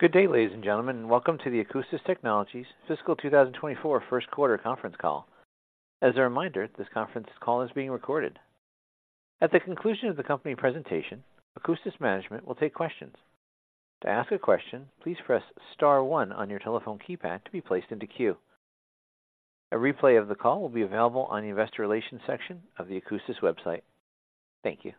Good day, ladies and gentlemen, and welcome to the Akoustis Technologies Fiscal 2024 First Quarter Conference Call. As a reminder, this conference call is being recorded. At the conclusion of the company presentation, Akoustis management will take questions. To ask a question, please press star one on your telephone keypad to be placed into queue. A replay of the call will be available on the Investor Relations section of the Akoustis's website. Thank you.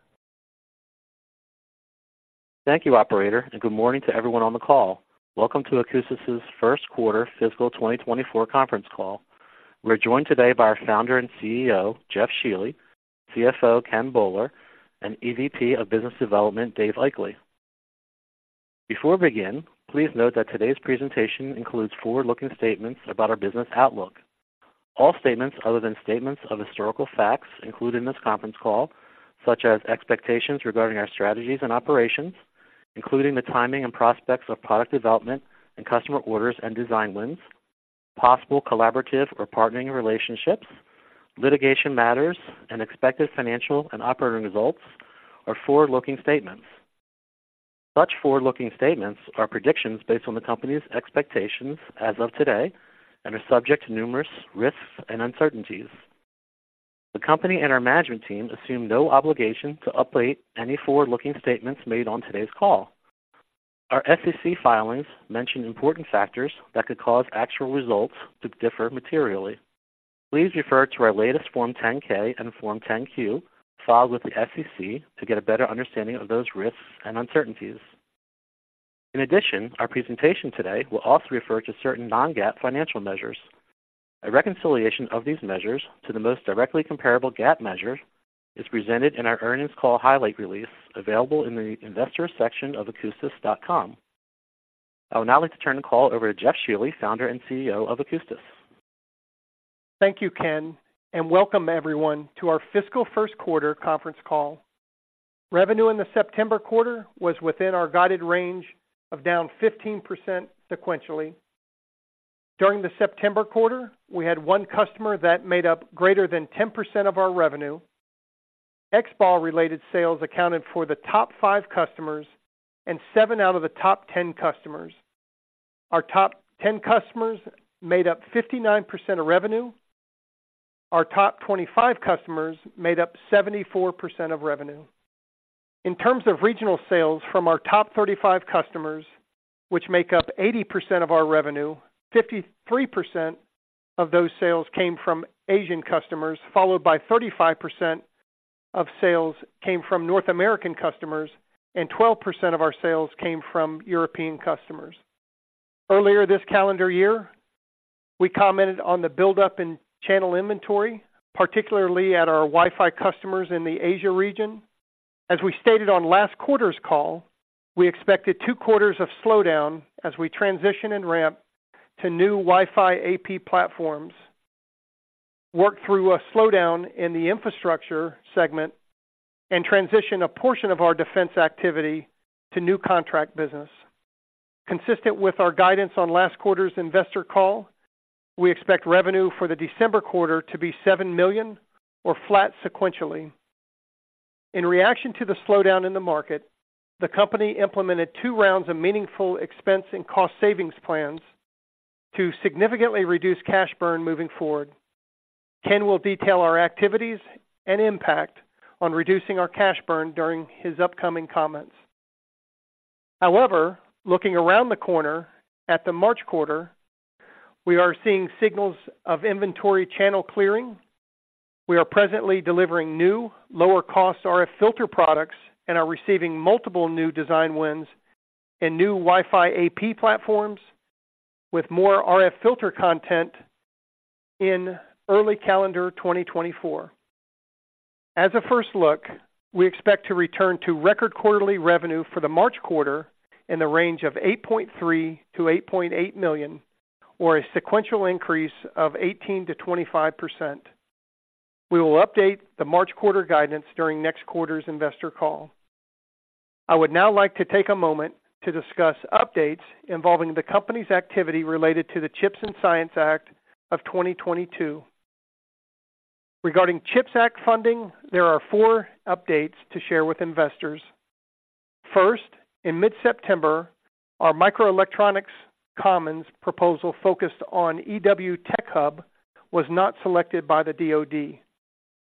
Thank you, operator, and good morning to everyone on the call. Welcome to Akoustis's First Quarter Fiscal 2024 Conference Call. We're joined today by our founder and CEO, Jeff Shealy, CFO, Ken Boller, and EVP of Business Development, Dave Aichele. Before we begin, please note that today's presentation includes forward-looking statements about our business outlook. All statements other than statements of historical facts included in this conference call, such as expectations regarding our strategies and operations, including the timing and prospects of product development and customer orders and design wins, possible collaborative or partnering relationships, litigation matters, and expected financial and operating results, are forward-looking statements. Such forward-looking statements are predictions based on the company's expectations as of today and are subject to numerous risks and uncertainties. The company and our management team assume no obligation to update any forward-looking statements made on today's call. Our SEC filings mention important factors that could cause actual results to differ materially. Please refer to our latest Form 10-K and Form 10-Q filed with the SEC to get a better understanding of those risks and uncertainties. In addition, our presentation today will also refer to certain non-GAAP financial measures. A reconciliation of these measures to the most directly comparable GAAP measure is presented in our earnings call highlight release, available in the investor section of akoustis.com. I would now like to turn the call over to Jeff Shealy, founder and CEO of Akoustis. Thank you, Ken, and welcome everyone to our fiscal first quarter conference call. Revenue in the September quarter was within our guided range of down 15% sequentially. During the September quarter, we had one customer that made up greater than 10% of our revenue. XBAW-related sales accounted for the top 5 customers and seven out of the top 10 customers. Our top 10 customers made up 59% of revenue. Our top 25 customers made up 74% of revenue. In terms of regional sales from our top 35 customers, which make up 80% of our revenue, 53% of those sales came from Asian customers, followed by 35% of sales came from North American customers, and 12% of our sales came from European customers. Earlier this calendar year, we commented on the buildup in channel inventory, particularly at our Wi-Fi customers in the Asia region. As we stated on last quarter's call, we expected two quarters of slowdown as we transition and ramp to new Wi-Fi AP platforms, work through a slowdown in the infrastructure segment, and transition a portion of our defense activity to new contract business. Consistent with our guidance on last quarter's investor call, we expect revenue for the December quarter to be $7 million or flat sequentially. In reaction to the slowdown in the market, the company implemented two rounds of meaningful expense and cost savings plans to significantly reduce cash burn moving forward. Ken will detail our activities and impact on reducing our cash burn during his upcoming comments. However, looking around the corner at the March quarter, we are seeing signals of inventory channel clearing. We are presently delivering new, lower-cost RF filter products and are receiving multiple new design wins in new Wi-Fi AP platforms with more RF filter content in early calendar 2024. As a first look, we expect to return to record quarterly revenue for the March quarter in the range of $8.3 million-$8.8 million, or a sequential increase of 18%-25%. We will update the March quarter guidance during next quarter's investor call. I would now like to take a moment to discuss updates involving the company's activity related to the CHIPS and Science Act of 2022. Regarding CHIPS Act funding, there are four updates to share with investors. First, in mid-September, our Microelectronics Commons proposal focused on EW Tech Hub was not selected by the DoD.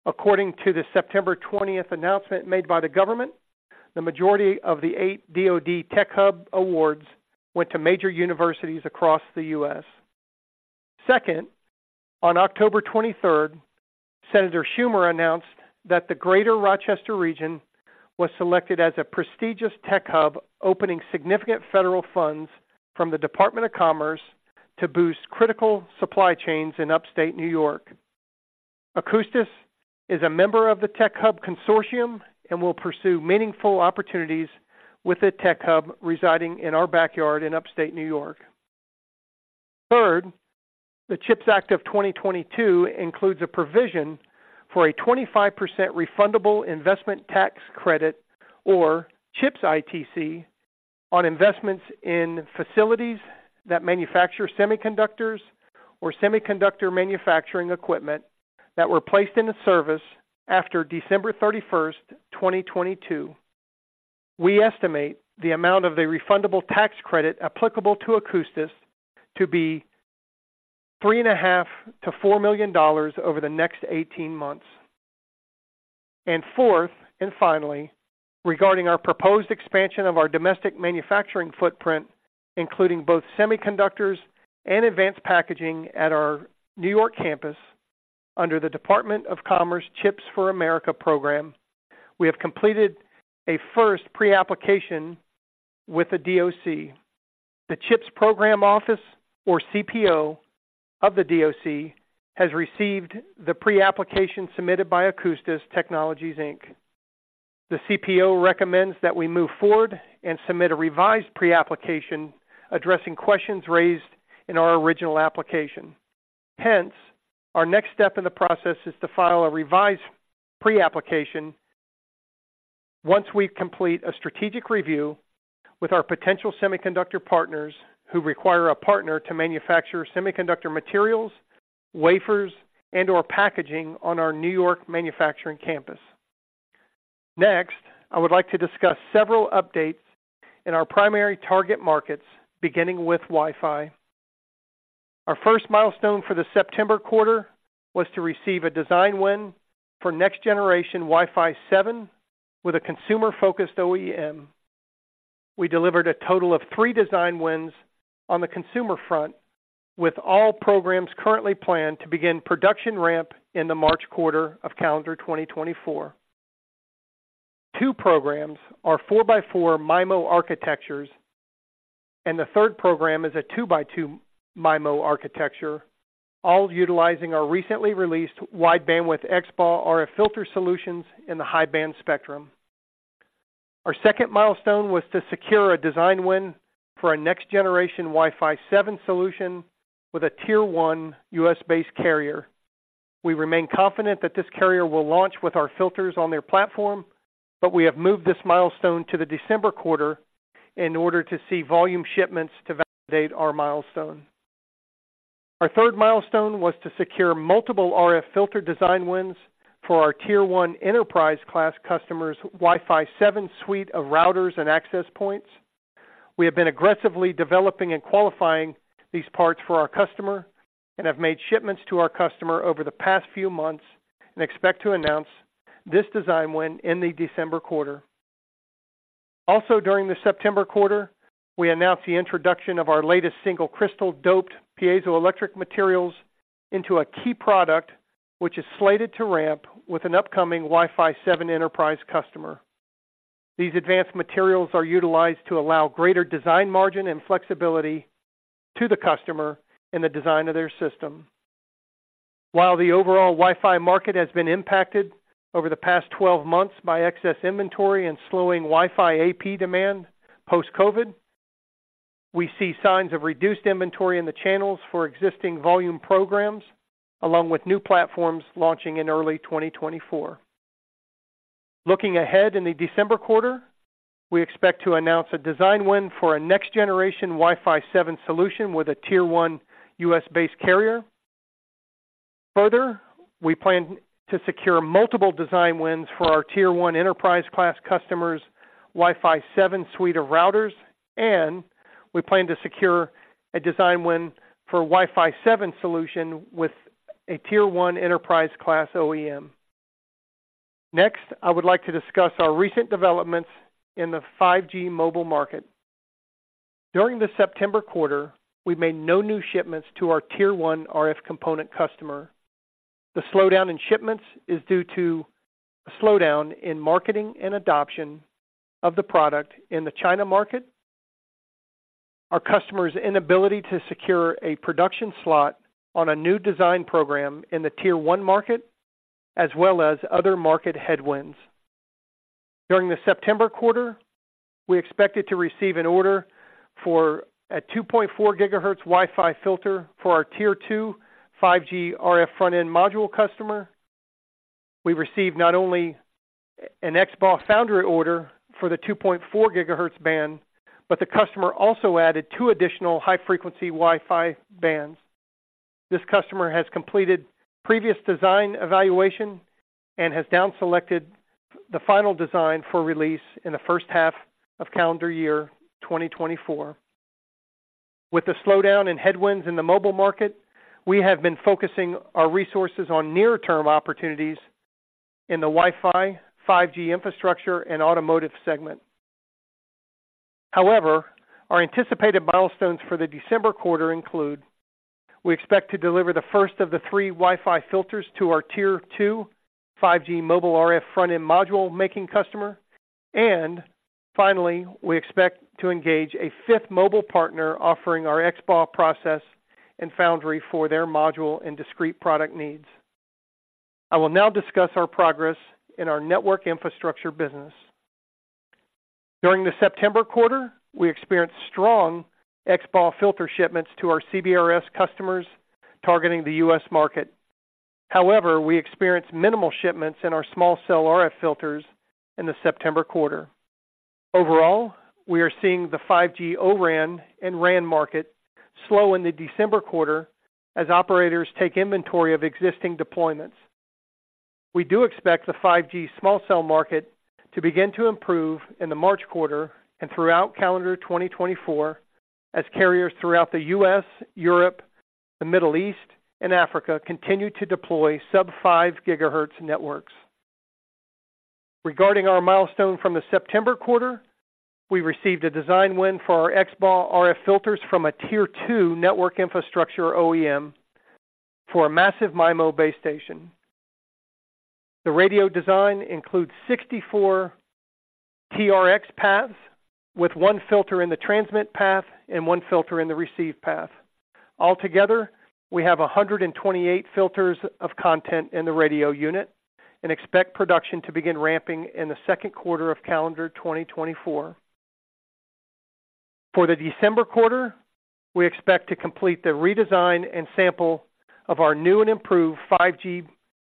According to the September 20 announcement made by the government, the majority of the 8 DoD Tech Hub awards went to major universities across the U.S. Second, on October 23, Senator Schumer announced that the Greater Rochester region was selected as a prestigious tech hub, opening significant federal funds from the Department of Commerce to boost critical supply chains in upstate New York. Akoustis is a member of the Tech Hub Consortium and will pursue meaningful opportunities with the tech hub residing in our backyard in upstate New York. Third, the CHIPS Act of 2022 includes a provision for a 25% refundable investment tax credit, or CHIPS ITC, on investments in facilities that manufacture semiconductors or semiconductor manufacturing equipment. that were placed into service after December 31st, 2022, we estimate the amount of the refundable tax credit applicable to Akoustis to be $3.5 million-$4 million over the next 18 months. Fourth, and finally, regarding our proposed expansion of our domestic manufacturing footprint, including both semiconductors and advanced packaging at our New York campus, under the Department of Commerce CHIPS for America program, we have completed a first pre-application with the DOC. The CHIPS Program Office, or CPO, of the DOC, has received the pre-application submitted by Akoustis Technologies, Inc. The CPO recommends that we move forward and submit a revised pre-application addressing questions raised in our original application. Hence, our next step in the process is to file a revised pre-application once we complete a strategic review with our potential semiconductor partners who require a partner to manufacture semiconductor materials, wafers, and/or packaging on our New York manufacturing campus. Next, I would like to discuss several updates in our primary target markets, beginning with Wi-Fi. Our first milestone for the September quarter was to receive a design win for next-generation Wi-Fi 7 with a consumer-focused OEM. We delivered a total of three design wins on the consumer front, with all programs currently planned to begin production ramp in the March quarter of calendar 2024. Two programs are 4x4 MIMO architectures, and the third program is a 2x2 MIMO architecture, all utilizing our recently released wide bandwidth XBAW RF filter solutions in the high-band spectrum. Our second milestone was to secure a design win for a next generation Wi-Fi 7 solution with a Tier-1 U.S.-based carrier. We remain confident that this carrier will launch with our filters on their platform, but we have moved this milestone to the December quarter in order to see volume shipments to validate our milestone. Our third milestone was to secure multiple RF filter design wins for our Tier-1 enterprise class customers' Wi-Fi 7 suite of routers and access points. We have been aggressively developing and qualifying these parts for our customer, and have made shipments to our customer over the past few months, and expect to announce this design win in the December quarter. Also, during the September quarter, we announced the introduction of our latest single crystal doped piezoelectric materials into a key product, which is slated to ramp with an upcoming Wi-Fi 7 enterprise customer. These advanced materials are utilized to allow greater design margin and flexibility to the customer in the design of their system. While the overall Wi-Fi market has been impacted over the past 12 months by excess inventory and slowing Wi-Fi AP demand post-COVID, we see signs of reduced inventory in the channels for existing volume programs, along with new platforms launching in early 2024. Looking ahead in the December quarter, we expect to announce a design win for a next-generation Wi-Fi 7 solution with a Tier-1 U.S.-based carrier. Further, we plan to secure multiple design wins for our Tier-1 enterprise class customers' Wi-Fi 7 suite of routers, and we plan to secure a design win for Wi-Fi 7 solution with a Tier-1 enterprise class OEM. Next, I would like to discuss our recent developments in the 5G mobile market. During the September quarter, we made no new shipments to our Tier-1 RF component customer. The slowdown in shipments is due to a slowdown in marketing and adoption of the product in the China market, our customer's inability to secure a production slot on a new design program in the Tier-1 market, as well as other market headwinds. During the September quarter, we expected to receive an order for a 2.4 GHz Wi-Fi filter for our Tier-2 5G RF front-end module customer. We received not only an XBAW foundry order for the 2.4 GHz band, but the customer also added two additional high-frequency Wi-Fi bands. This customer has completed previous design evaluation and has down selected the final design for release in the first half of calendar year 2024. With the slowdown in headwinds in the mobile market, we have been focusing our resources on near-term opportunities in the Wi-Fi, 5G infrastructure, and automotive segment. However, our anticipated milestones for the December quarter include: we expect to deliver the first of the three Wi-Fi filters to our Tier-2 5G mobile RF front-end module making customer. And finally, we expect to engage a fifth mobile partner offering our XBAW process and foundry for their module and discrete product needs. I will now discuss our progress in our network infrastructure business. During the September quarter, we experienced strong XBAW filter shipments to our CBRS customers targeting the U.S. market. However, we experienced minimal shipments in our small cell RF filters in the September quarter. Overall, we are seeing the 5G O-RAN and RAN market slow in the December quarter as operators take inventory of existing deployments. We do expect the 5G small cell market to begin to improve in the March quarter and throughout calendar 2024, as carriers throughout the U.S., Europe, the Middle East, and Africa continue to deploy sub-5 GHz networks. Regarding our milestone from the September quarter, we received a design win for our XBAW RF filters from a Tier-2 network infrastructure OEM for a Massive MIMO base station. The radio design includes 64 TRX paths, with one filter in the transmit path and one filter in the receive path. Altogether, we have 128 filters of content in the radio unit and expect production to begin ramping in the second quarter of calendar 2024. For the December quarter, we expect to complete the redesign and sample of our new and improved 5G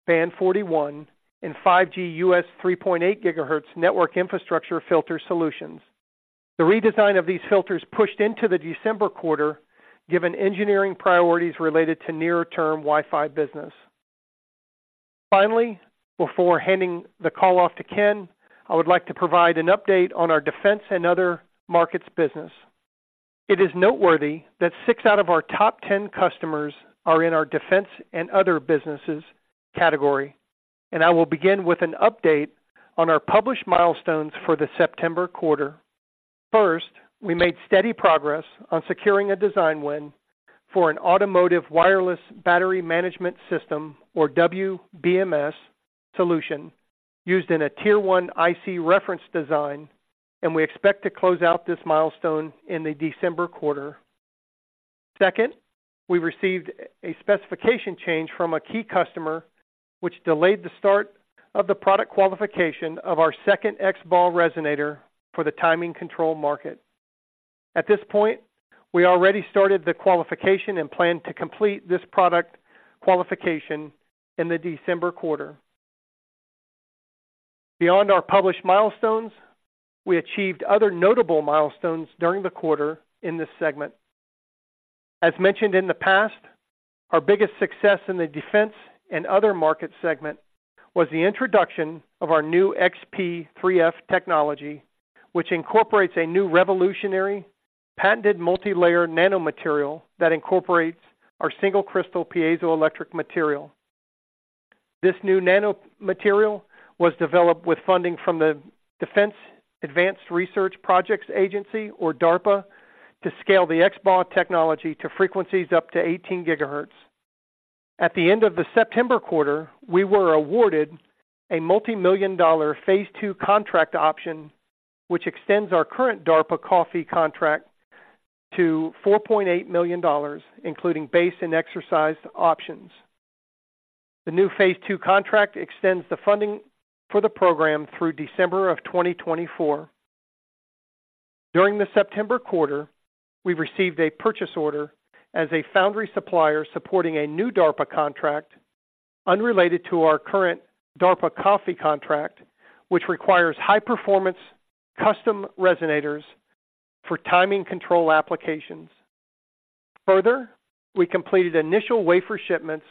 band 41 and 5G U.S. 3.8 GHz network infrastructure filter solutions. The redesign of these filters pushed into the December quarter, given engineering priorities related to near-term Wi-Fi business. Finally, before handing the call off to Ken, I would like to provide an update on our defense and other markets business. It is noteworthy that 6 out of our top 10 customers are in our defense and other businesses category, and I will begin with an update on our published milestones for the September quarter. First, we made steady progress on securing a design win for an automotive wireless battery management system, or WBMS solution, used in a Tier-1 IC reference design, and we expect to close out this milestone in the December quarter. Second, we received a specification change from a key customer, which delayed the start of the product qualification of our second XBAW resonator for the timing control market. At this point, we already started the qualification and plan to complete this product qualification in the December quarter. Beyond our published milestones, we achieved other notable milestones during the quarter in this segment. As mentioned in the past, our biggest success in the defense and other market segment was the introduction of our new XP3F technology, which incorporates a new revolutionary patented multilayer nanomaterial that incorporates our single crystal piezoelectric material. This new nanomaterial was developed with funding from the Defense Advanced Research Projects Agency, or DARPA, to scale the XBAW technology to frequencies up to 18 GHz. At the end of the September quarter, we were awarded a multimillion-dollar Phase 2 contract option, which extends our current DARPA COFFEE contract to $4.8 million, including base and exercise options. The new Phase 2 contract extends the funding for the program through December 2024. During the September quarter, we received a purchase order as a foundry supplier supporting a new DARPA contract unrelated to our current DARPA COFFEE contract, which requires high-performance custom resonators for timing control applications. Further, we completed initial wafer shipments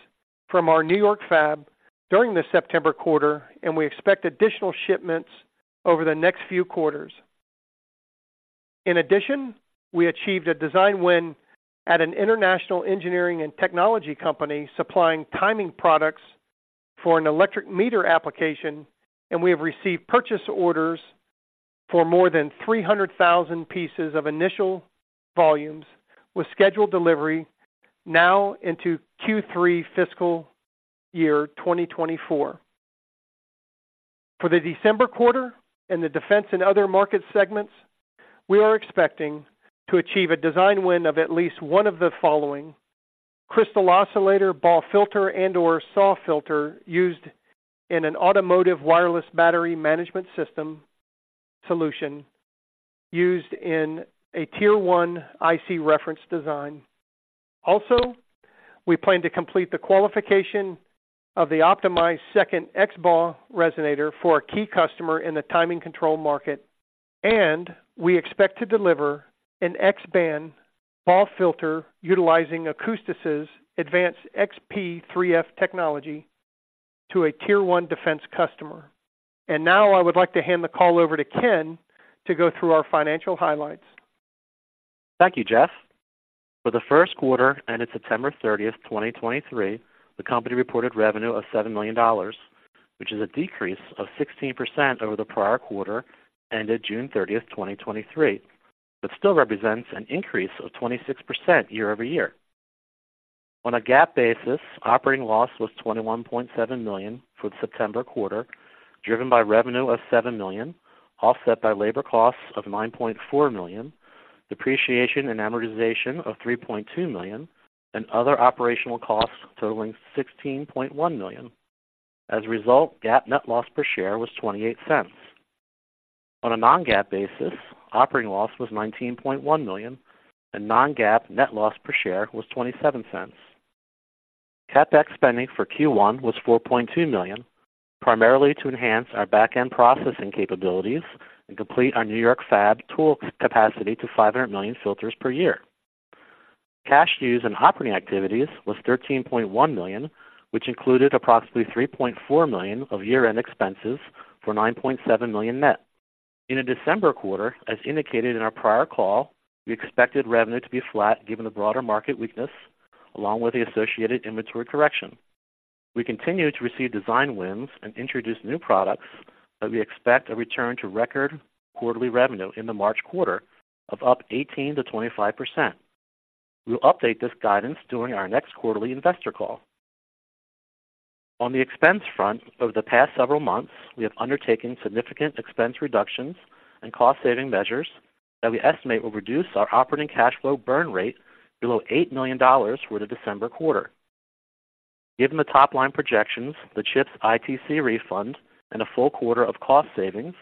from our New York fab during the September quarter, and we expect additional shipments over the next few quarters. In addition, we achieved a design win at an international engineering and technology company supplying timing products for an electric meter application, and we have received purchase orders for more than 300,000 pieces of initial volumes, with scheduled delivery now into Q3 fiscal year 2024. For the December quarter and the defense and other market segments, we are expecting to achieve a design win of at least one of the following: crystal oscillator, BAW filter, and/or SAW filter used in an automotive wireless battery management system solution used in a Tier-1 IC reference design. Also, we plan to complete the qualification of the optimized second XBAW resonator for a key customer in the timing control market, and we expect to deliver an X-band BAW filter utilizing Akoustis's advanced XP3F technology to a Tier-1 defense customer. Now I would like to hand the call over to Ken to go through our financial highlights. Thank you, Jeff. For the first quarter ended September 30th, 2023, the company reported revenue of $7 million, which is a decrease of 16% over the prior quarter, ended June 30th, 2023, but still represents an increase of 26% year-over-year. On a GAAP basis, operating loss was $21.7 million for the September quarter, driven by revenue of $7 million, offset by labor costs of $9.4 million, depreciation and amortization of $3.2 million, and other operational costs totaling $16.1 million. As a result, GAAP net loss per share was $0.28. On a non-GAAP basis, operating loss was $19.1 million, and non-GAAP net loss per share was $0.27.... CapEx spending for Q1 was $4.2 million, primarily to enhance our back-end processing capabilities and complete our New York fab tool capacity to 500 million filters per year. Cash used in operating activities was $13.1 million, which included approximately $3.4 million of year-end expenses for $9.7 million net. In the December quarter, as indicated in our prior call, we expected revenue to be flat, given the broader market weakness, along with the associated inventory correction. We continue to receive design wins and introduce new products, but we expect a return to record quarterly revenue in the March quarter of up 18%-25%. We'll update this guidance during our next quarterly investor call. On the expense front, over the past several months, we have undertaken significant expense reductions and cost-saving measures that we estimate will reduce our operating cash flow burn rate below $8 million for the December quarter. Given the top-line projections, the CHIPS ITC refund, and a full quarter of cost savings,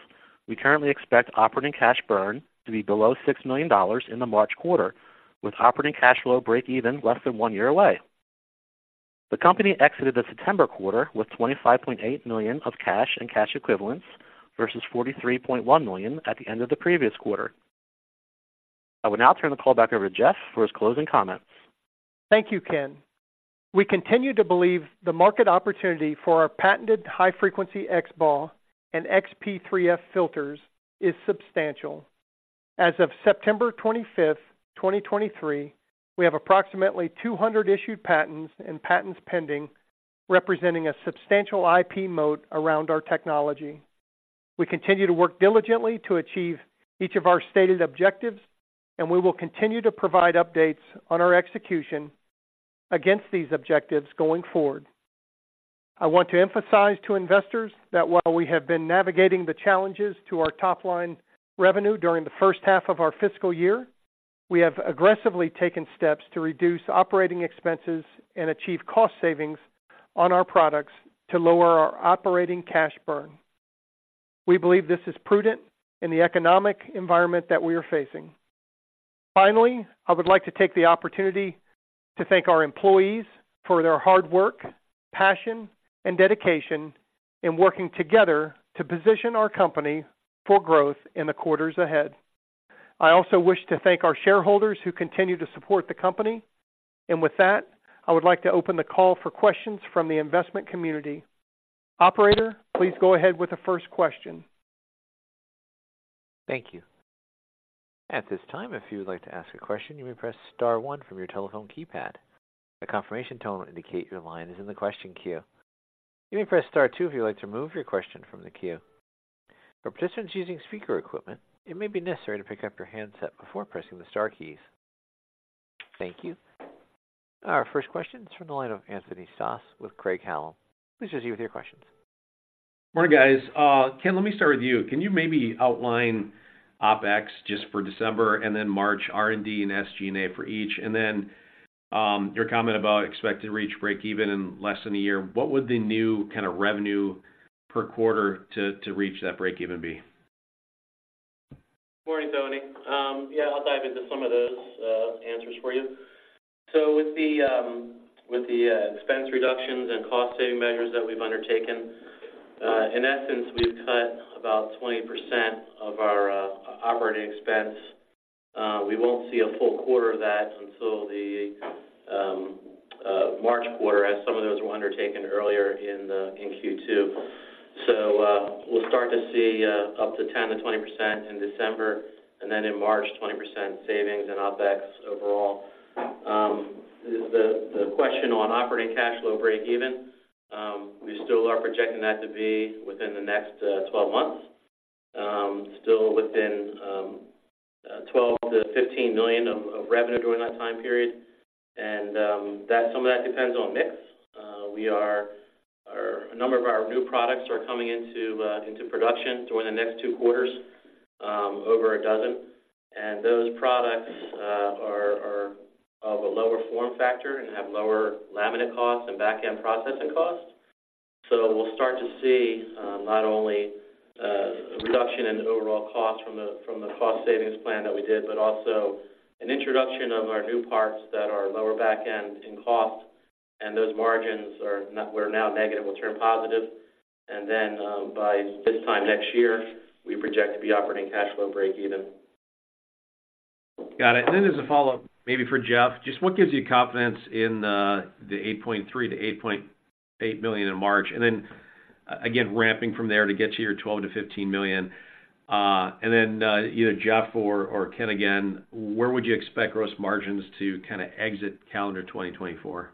we currently expect operating cash burn to be below $6 million in the March quarter, with operating cash flow breakeven less than one year away. The company exited the September quarter with $25.8 million of cash and cash equivalents versus $43.1 million at the end of the previous quarter. I will now turn the call back over to Jeff for his closing comments. Thank you, Ken. We continue to believe the market opportunity for our patented high-frequency XBAW and XP3F filters is substantial. As of September 25th, 2023, we have approximately 200 issued patents and patents pending, representing a substantial IP moat around our technology. We continue to work diligently to achieve each of our stated objectives, and we will continue to provide updates on our execution against these objectives going forward. I want to emphasize to investors that while we have been navigating the challenges to our top-line revenue during the first half of our fiscal year, we have aggressively taken steps to reduce operating expenses and achieve cost savings on our products to lower our operating cash burn. We believe this is prudent in the economic environment that we are facing. Finally, I would like to take the opportunity to thank our employees for their hard work, passion, and dedication in working together to position our company for growth in the quarters ahead. I also wish to thank our shareholders who continue to support the company, and with that, I would like to open the call for questions from the investment community. Operator, please go ahead with the first question. Thank you. At this time, if you would like to ask a question, you may press star one from your telephone keypad. A confirmation tone will indicate your line is in the question queue. You may press star two if you would like to remove your question from the queue. For participants using speaker equipment, it may be necessary to pick up your handset before pressing the star keys. Thank you. Our first question is from the line of Anthony Stoss with Craig-Hallum. Please proceed with your questions. Morning, guys. Ken, let me start with you. Can you maybe outline OpEx just for December and then March, R&D, and SG&A for each, and then your comment about expected to reach breakeven in less than a year? What would the new kind of revenue per quarter to reach that breakeven be? Morning, Tony. Yeah, I'll dive into some of those answers for you. So with the expense reductions and cost-saving measures that we've undertaken, in essence, we've cut about 20% of our operating expense. We won't see a full quarter of that until the March quarter, as some of those were undertaken earlier in Q2. So, we'll start to see up to 10%-20% in December, and then in March, 20% savings and OpEx overall. The question on operating cash flow breakeven, we still are projecting that to be within the next 12 months. Still within $12 million-$15 million of revenue during that time period. And that, some of that depends on mix. A number of our new products are coming into, into production during the next two quarters, over a dozen. And those products are of a lower form factor and have lower laminate costs and back-end processing costs. So we'll start to see, not only, a reduction in overall cost from the cost savings plan that we did, but also an introduction of our new parts that are lower back-end in cost, and those margins are now negative, will turn positive. And then, by this time next year, we project to be operating cash flow breakeven. Got it. And then as a follow-up, maybe for Jeff: just what gives you confidence in the eight point three to eight point eight million in March? And then, again, ramping from there to get to your twelve to fifteen million. And then, either Jeff or, or Ken again, where would you expect gross margins to kind of exit calendar 2024?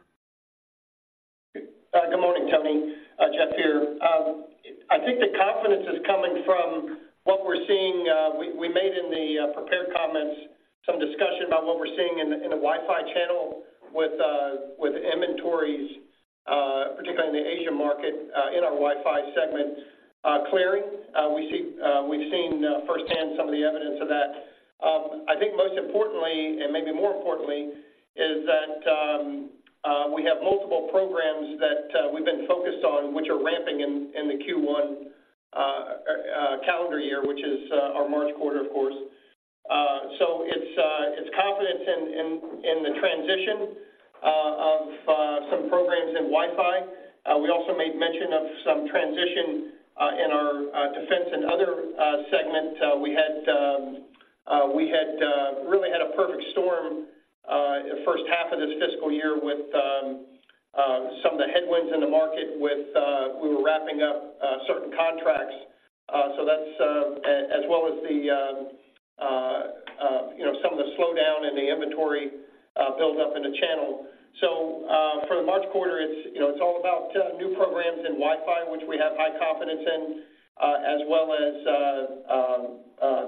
Good morning, Tony. Jeff here. I think the confidence is coming from what we're seeing. We made in the prepared comments some discussion about what we're seeing in the Wi-Fi channel with inventories, particularly in the Asia market, in our Wi-Fi segment, clearing. We see, we've seen firsthand some of the evidence of that. I think most importantly, and maybe more importantly, is that we have multiple programs-... we've been focused on, which are ramping in the Q1 calendar year, which is our March quarter, of course. So it's confidence in the transition of some programs in Wi-Fi. We also made mention of some transition in our defense and other segment. We had really had a perfect storm the first half of this fiscal year with some of the headwinds in the market with we were wrapping up certain contracts. So that's as well as the you know, some of the slowdown in the inventory build up in the channel. So, for the March quarter, it's, you know, it's all about, new programs in Wi-Fi, which we have high confidence in, as well as,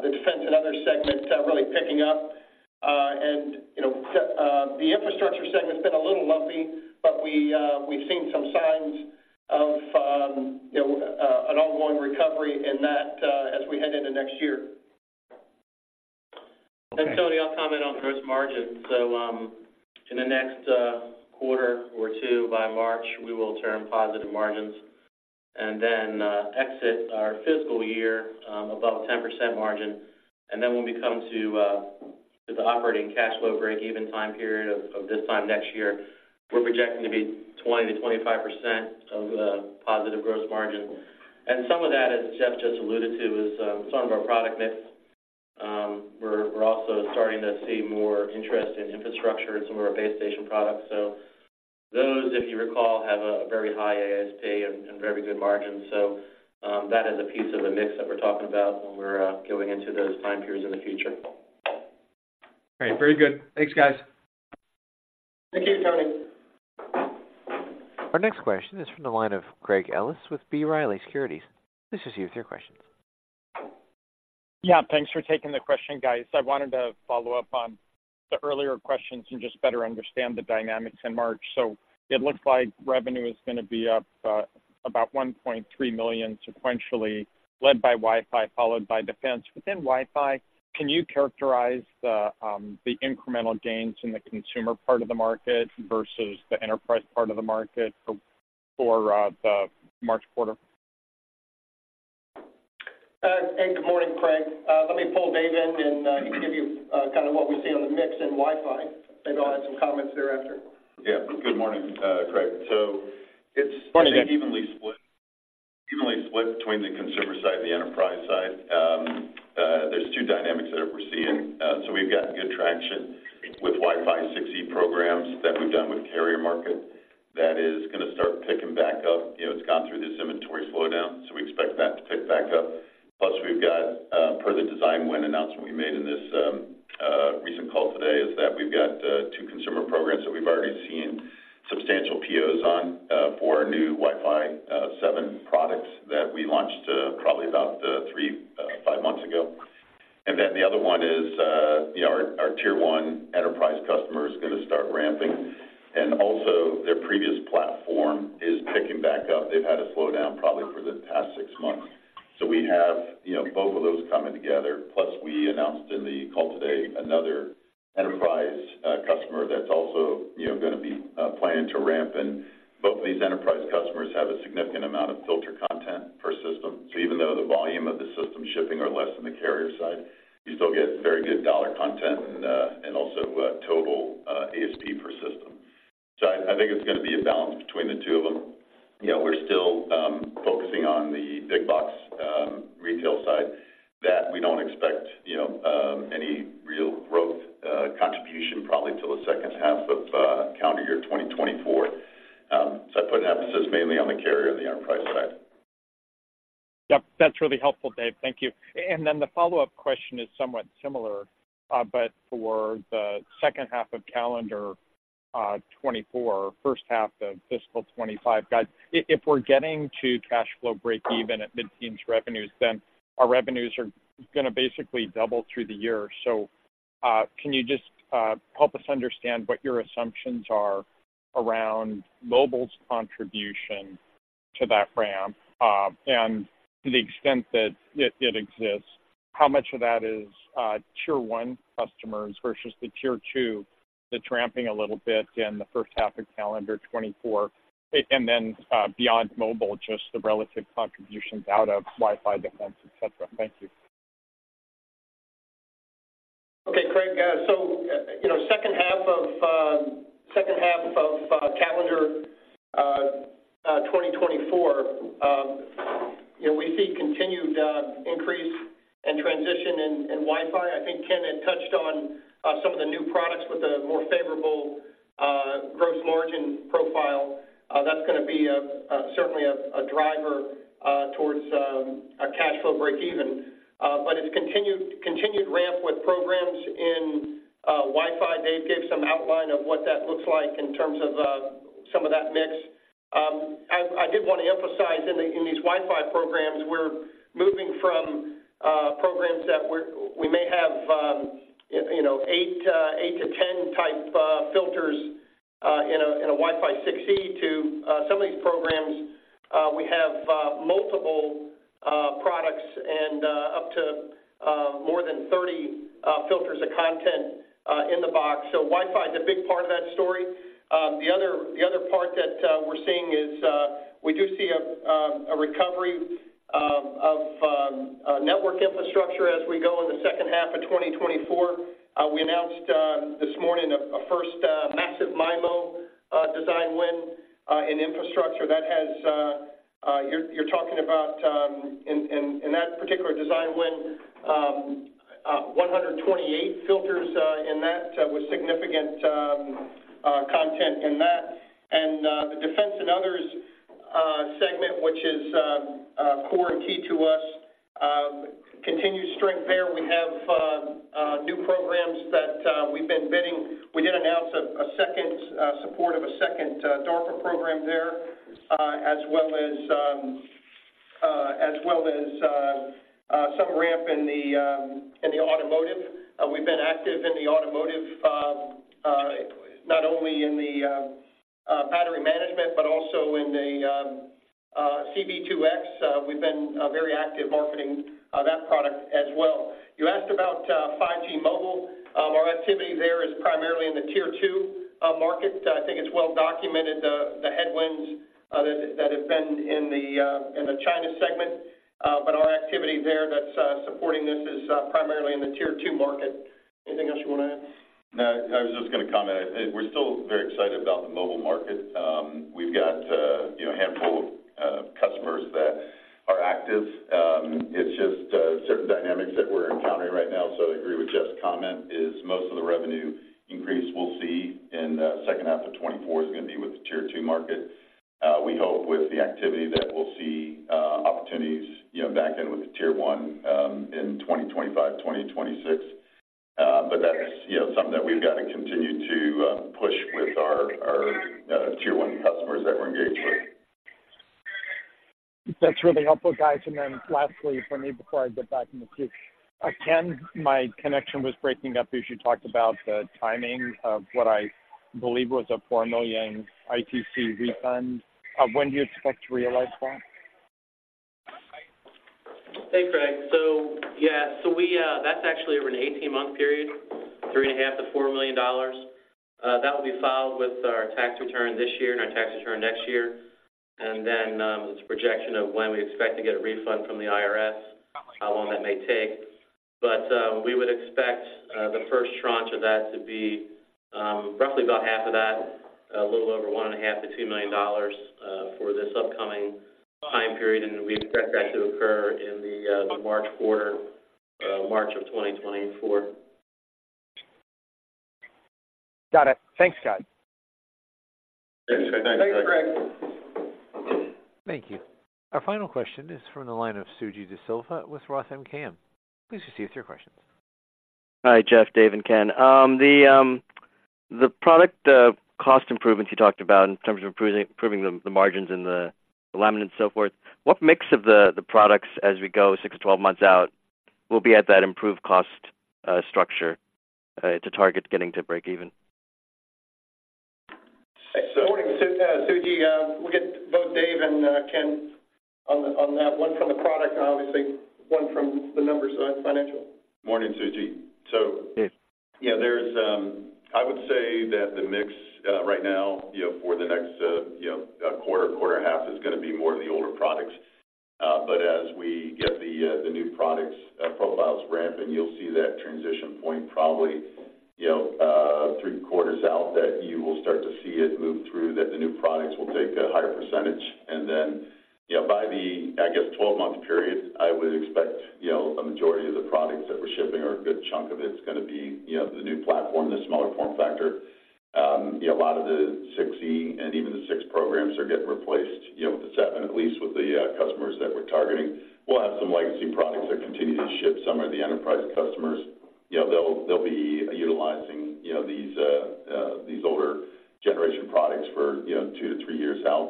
the defense and other segments, really picking up. And, you know, the, the infrastructure segment's been a little lumpy, but we, we've seen some signs of, you know, an ongoing recovery in that, as we head into next year. And Tony, I'll comment on gross margin. So, in the next quarter or two, by March, we will turn positive margins and then exit our fiscal year above a 10% margin. And then when we come to the operating cash flow breakeven time period of this time next year, we're projecting to be 20%-25% positive gross margin. And some of that, as Jeff just alluded to, is some of our product mix. We're also starting to see more interest in infrastructure and some of our base station products. So those, if you recall, have a very high ASP and very good margins. So, that is a piece of the mix that we're talking about when we're going into those time periods in the future. Great. Very good. Thanks, guys. Thank you, Tony. Our next question is from the line of Craig Ellis with B. Riley Securities. lease proceed with your questions. Yeah, thanks for taking the question, guys. I wanted to follow up on the earlier questions and just better understand the dynamics in March. So it looks like revenue is gonna be up about $1.3 million sequentially, led by Wi-Fi, followed by defense. Within Wi-Fi, can you characterize the incremental gains in the consumer part of the market versus the enterprise part of the market for the March quarter? Hey, good morning, Craig. Let me pull Dave in, and he can give you kind of what we see on the mix in Wi-Fi. Maybe I'll add some comments thereafter. Yeah. Good morning, Craig. So it's- Morning, Dave. Evenly split, evenly split between the consumer side and the enterprise side. There's 2 dynamics that we're seeing. So we've got good traction with Wi-Fi 6E programs that we've done with carrier market. That is gonna start picking back up. You know, it's gone through this inventory slowdown, so we expect that to pick back up. Plus, we've got, per the design win announcement we made in this recent call today, is that we've got 2 consumer programs that we've already seen substantial POs on for our new Wi-Fi 7 products that we launched probably about 3-5 months ago. And then the other one is, you know, our Tier-1 enterprise customer is gonna start ramping, and also their previous platform is picking back up. They've had a slowdown probably for the past six months. So we have, you know, both of those coming together. Plus, we announced in the call today another enterprise customer that's also, you know, gonna be planning to ramp. And both of these enterprise customers have a significant amount of filter content per system. So even though the volume of the system shipping are less than the carrier side, you still get very good dollar content and, and also total ASP per system. So I, I think it's gonna be a balance between the two of them. You know, we're still focusing on the big box retail side that we don't expect, you know, any real growth contribution probably till the second half of calendar year 2024. So I'd put emphasis mainly on the carrier and the enterprise side. Yep, that's really helpful, Dave. Thank you. And then the follow-up question is somewhat similar, but for the second half of calendar 2024, first half of fiscal 2025, guys, if we're getting to cash flow break even at mid-team's revenues, then our revenues are gonna basically double through the year. So, can you just help us understand what your assumptions are around mobile's contribution to that ramp? And to the extent that it exists, how much of that is Tier-1 customers versus the Tier-2, that's ramping a little bit in the first half of calendar 2024? And then, beyond mobile, just the relative contributions out of Wi-Fi, defense, et cetera. Thank you. Okay, Craig. So, you know, second half of calendar 2024, you know, we see continued increase and transition in Wi-Fi. I think Ken had touched on some of the new products with a more favorable gross margin profile. That's gonna be certainly a driver towards a cash flow breakeven. But it's continued ramp with programs in Wi-Fi. Dave gave some outline of what that looks like in terms of some of that mix. I did want to emphasize in these Wi-Fi programs, we're moving from programs that we may have, you know, 8 to 10 type filters in a Wi-Fi 6E to some of these programs... We have multiple products and up to more than 30 filters of content in the box. So Wi-Fi is a big part of that story. The other part that we're seeing is we do see a recovery of a network infrastructure as we go in the second half of 2024. We announced this morning a first Massive MIMO design win in infrastructure that has you're talking about in that particular design win 128 filters in that with significant content in that. And the defense and others segment which is core and key to us continued strength there. We have new programs that we've been bidding. We did announce a second support of a second DARPA program there as well as some ramp in the automotive. We've been active in the automotive not only in the battery management but also in the C-V2X. We've been very active marketing that product as well. You asked about 5G mobile. Our activity there is primarily in the Tier-2 market. I think it's well documented, the headwinds that have been in the China segment, but our activity there that's supporting this is primarily in the Tier-2 market. Anything else you want to add? No, I was just gonna comment. I think we're still very excited about the mobile market. We've got, you know, a handful of customers that are active. It's just certain dynamics that we're encountering right now. So I agree with Jeff's comment, is most of the revenue increase we'll see in the second half of 2024 is gonna be with the Tier-2 market. We hope with the activity that we'll see opportunities, you know, back in with the Tier-1 in 2025, 2026. But that's, you know, something that we've got to continue to push with our Tier-1 customers that we're engaged with. That's really helpful, guys. And then lastly, for me, before I get back in the queue. Ken, my connection was breaking up as you talked about the timing of what I believe was a $4 million ITC refund. When do you expect to realize that? Hey, Craig. So, yeah, so we, that's actually over an 18-month period, $3.5 million-$4 million. That will be filed with our tax return this year and our tax return next year. And then, it's a projection of when we expect to get a refund from the IRS, how long that may take. But, we would expect, the first tranche of that to be, roughly about half of that, a little over $1.5 million-$2 million, for this upcoming time period, and we expect that to occur in the, the March quarter, March of 2024. Got it. Thanks, guys. Thanks, Craig. Thanks, Craig. Thank you. Our final question is from the line of Suji Desilva with Roth MKM. Please proceed with your questions. Hi, Jeff, Dave, and Ken. The product cost improvements you talked about in terms of improving the margins and the laminate and so forth, what mix of the products as we go 6-12 months out, will be at that improved cost structure to target getting to breakeven? Morning, Suji. We'll get both Dave and Ken on that, one from the product, obviously, one from the numbers side, financial. Morning, Suji. Yes. So, yeah, there's, I would say that the mix, right now, you know, for the next, you know, quarter, quarter and a half is gonna be more of the older products. But as we get the, the new products, profiles ramping, you'll see that transition point probably, you know, three quarters out, that you will start to see it move through, that the new products will take a higher percentage. And then, you know, by the, I guess, 12-month period, I would expect, you know, a majority of the products that we're shipping or a good chunk of it is gonna be, you know, the new platform, the smaller form factor. Yeah, a lot of the 6E and even the 6 programs are getting replaced, you know, with the 7, at least with the, customers that we're targeting. We'll have some legacy products that continue to ship. Some of the enterprise customers, you know, they'll be utilizing, you know, these older generation products for, you know, 2-3 years out.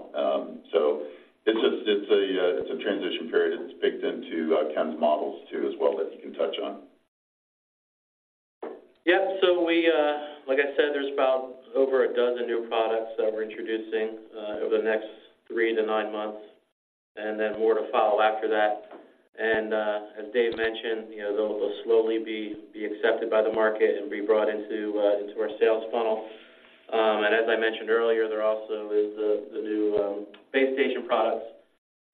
So it's a transition period, and it's baked into Ken's models too, as well, that he can touch on. Yeah, so we, like I said, there's about over a dozen new products that we're introducing over the next 3-9 months, and then more to follow after that. And as Dave mentioned, you know, they'll slowly be accepted by the market and be brought into our sales funnel. And as I mentioned earlier, there also is the new base station products,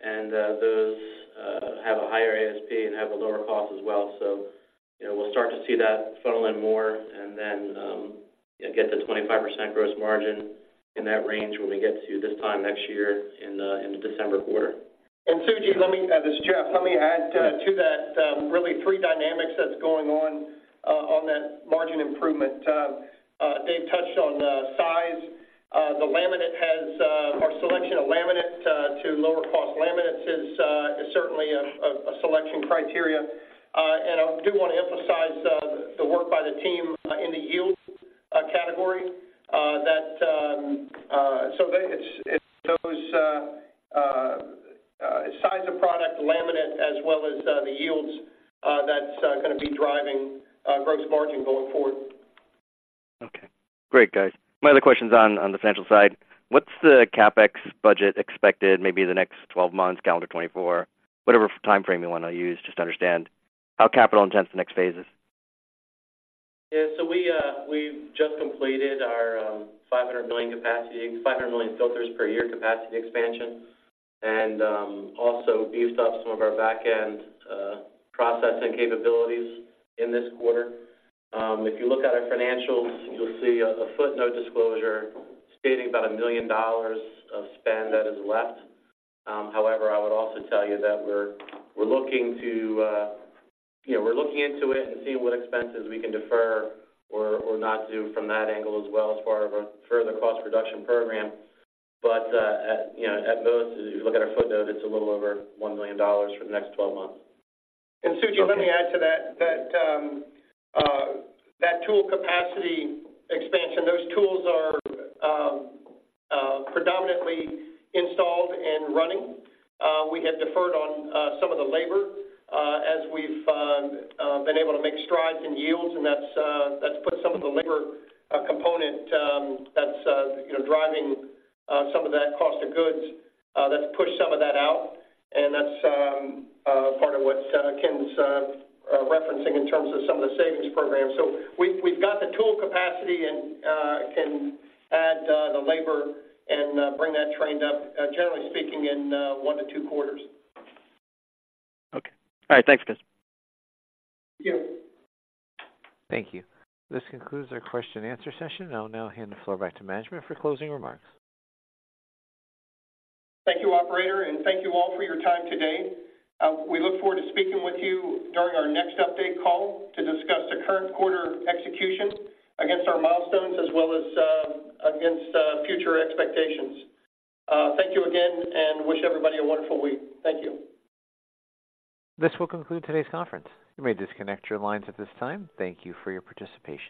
and those have a higher ASP and have a lower cost as well. So, you know, we'll start to see that funnel in more and then get to 25% gross margin in that range when we get to this time next year in the December quarter. Suji, let me. This is Jeff. Let me add to that, really three dynamics that's going on on that margin improvement. Dave touched on the size. The laminate has our selection of laminate to lower cost laminates is certainly a selection criteria. And I do want to emphasize the work by the team in the yield category that. So it's those size of product, laminate, as well as the yields that's gonna be driving gross margin going forward.... Great, guys. My other question is on the financial side. What's the CapEx budget expected, maybe the next 12 months, calendar 2024? Whatever timeframe you want to use, just to understand how capital intense the next phase is. Yeah, so we've just completed our 500 million capacity, 500 million filters per year capacity expansion, and also beefed up some of our back-end processing capabilities in this quarter. If you look at our financials, you'll see a footnote disclosure stating about $1 million of spend that is left. However, I would also tell you that we're looking to, you know, we're looking into it and seeing what expenses we can defer or not do from that angle as well, as part of our further cost reduction program. But, you know, at most, if you look at our footnote, it's a little over $1 million for the next 12 months. And Suji, let me add to that, that tool capacity expansion, those tools are predominantly installed and running. We have deferred on some of the labor as we've been able to make strides in yields, and that's put some of the labor component that's, you know, driving some of that cost of goods that's pushed some of that out. And that's part of what Ken's referencing in terms of some of the savings programs. So we've got the tool capacity and can add the labor and bring that trained up generally speaking in 1-2 quarters. Okay. All right. Thanks, guys. Thank you. Thank you. This concludes our question and answer session. I'll now hand the floor back to management for closing remarks. Thank you, operator, and thank you all for your time today. We look forward to speaking with you during our next update call to discuss the current quarter execution against our milestones as well as against future expectations. Thank you again, and wish everybody a wonderful week. Thank you. This will conclude today's conference. You may disconnect your lines at this time. Thank you for your participation.